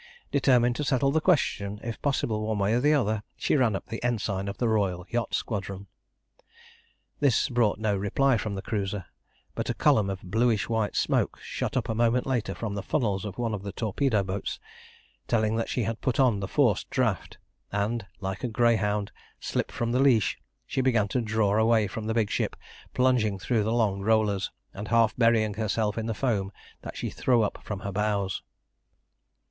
Determined to settle the question, if possible, one way or the other, he ran up the ensign of the Royal Yacht Squadron. This brought no reply from the cruiser, but a column of bluish white smoke shot up a moment later from the funnels of one of the torpedo boats, telling that she had put on the forced draught, and, like a greyhound slipped from the leash, she began to draw away from the big ship, plunging through the long rollers, and half burying herself in the foam that she threw up from her bows.